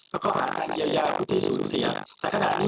แล้วก็พออาจารย์ได้แล้วที่สูงเสียแต่ขณะนี้นุ่นขายเดิม